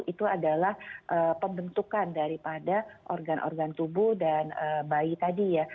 itu adalah pembentukan daripada organ organ tubuh dan bayi tadi ya